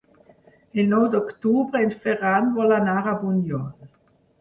El nou d'octubre en Ferran vol anar a Bunyol.